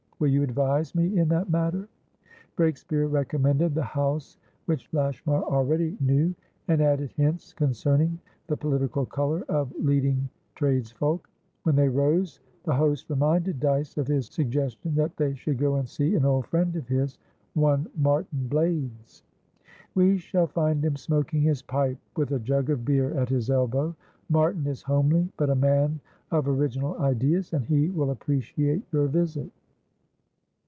Will you advise me in that matter?" Breakspeare recommended the house which Lashmar already knew, and added hints concerning the political colour of leading trades folk. When they rose, the host reminded Dyce of his suggestion that they should go and see an old friend of his, one Martin Blaydes. "We shall find him smoking his pipe, with a jug of beer at his elbow. Martin is homely, but a man of original ideas, and he will appreciate your visit."